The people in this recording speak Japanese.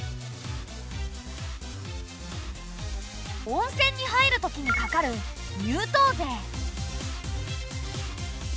温泉に入るときにかかる入湯税。